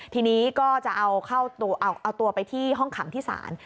ทีนี้ก็จะเอาตัวไปที่ห้องขังที่ศาล